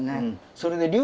それで寮？